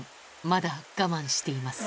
まだ我慢しています